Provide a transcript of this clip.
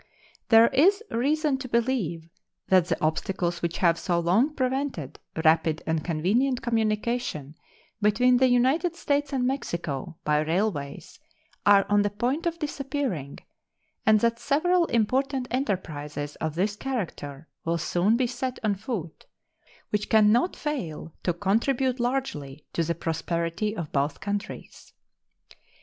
There is reason to believe that the obstacles which have so long prevented rapid and convenient communication between the United States and Mexico by railways are on the point of disappearing, and that several important enterprises of this character will soon be set on foot, which can not fail to contribute largely to the prosperity of both countries.